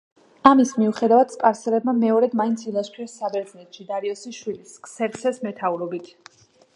ამის მიუხედავად სპარსელებმა მეორედ მაინც ილაშქრეს საბერძნეთში დარიოსის შვილის ქსერქსეს მეთაურობით.